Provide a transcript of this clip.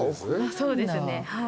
そうですねはい。